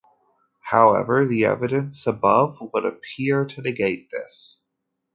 However, the evidence above would appear to negate this.